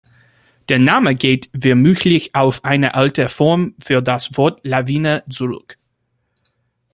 Der Name geht vermutlich auf eine alte Form für das Wort Lawine zurück.